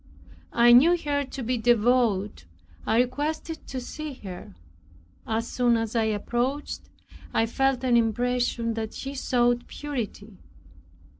I knew her to be devout I requested to see her. As soon as I approached, I felt an impression that she sought purity.